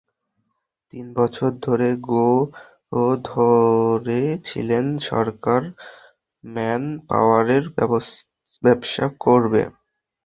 তিন বছর ধরে গোঁ ধরে ছিলেন সরকার ম্যান পাওয়ারের ব্যবসা করবে।